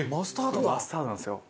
マスタードなんですよ。